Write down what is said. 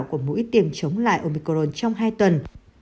của mũi tiêm chống lại omicron trong hai tuần